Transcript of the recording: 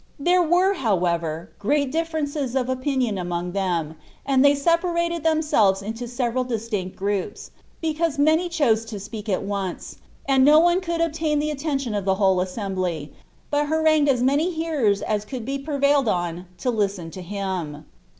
There were, however, creat diDerences of o|Huion among them, and they separated tjiemsel»e« mio several distinct groups, because many diose to speak at once, and no one cimld obtain the attention of the whole assembly, but harangued as many hearers aa could be prevailed on to linen to him.